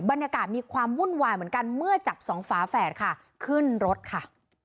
บรรยากาศมีความวุ่นวายเหมือนกันเมื่อจับสองฝาแฝดค่ะขึ้นรถค่ะ